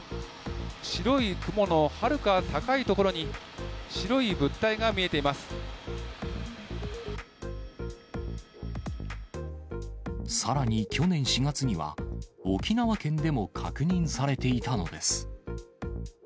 白い雲のはるか高い所に、さらに去年４月には、沖縄県でも確認されていたのです。